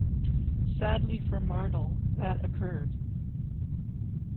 Sadly for Mardle, that occurred.